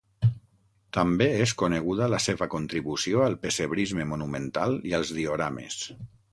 També és coneguda la seva contribució al pessebrisme monumental i als diorames.